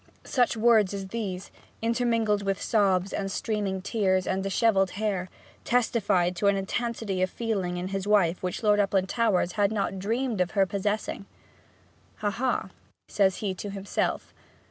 Such words as these, intermingled with sobs, and streaming tears, and dishevelled hair, testified to an intensity of feeling in his wife which Lord Uplandtowers had not dreamed of her possessing. 'Ha, ha!' says he to himself.